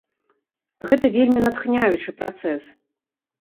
Гэта вельмі натхняючы працэс.